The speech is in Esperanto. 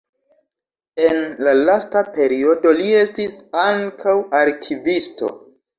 En la lasta periodo li estis ankaŭ arkivisto.